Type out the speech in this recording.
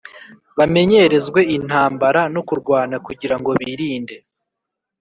bamenyerezwe intambara no kurwana kugirango birinde